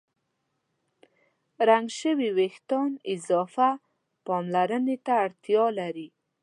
رنګ شوي وېښتيان اضافه پاملرنې ته اړتیا لري.